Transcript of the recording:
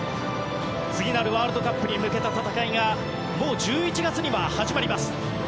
次なるワールドカップに向けた戦いがもう１１月には始まります。